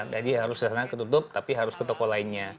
jadi harus di sana ketutup tapi harus ke toko lainnya